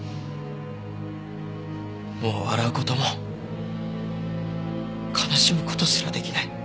もう笑う事も悲しむ事すら出来ない。